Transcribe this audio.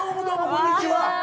・こんにちは。